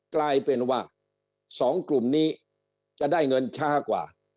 กลายเป็นว่า๒กลุ่มนี้จะได้เงินช้ากว่า